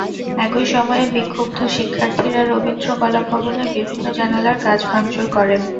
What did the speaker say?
একই সময়ে বিক্ষুব্ধ শিক্ষার্থীরা রবীন্দ্র কলা ভবনের বিভিন্ন জানালার কাচ ভাঙচুর করেন।